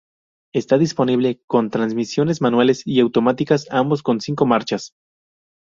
Está disponible con transmisiones manuales y automáticas, ambos con cinco marchas.